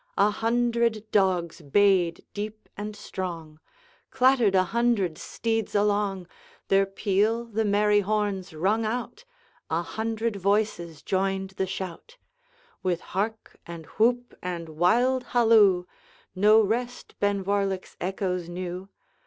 A hundred dogs bayed deep and strong, Clattered a hundred steeds along, Their peal the merry horns rung out, A hundred voices joined the shout; With hark and whoop and wild halloo, No rest Benvoirlich's echoes knew.